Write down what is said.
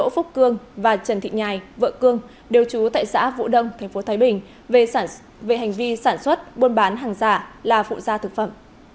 phúc cương và trần thị nhài vợ cương đều trú tại xã vũ đông tp thái bình về hành vi sản xuất buôn bán hàng giả là phụ gia thực phẩm